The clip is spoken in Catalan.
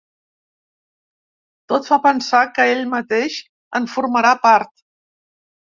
Tot fa pensar que ell mateix en formarà part.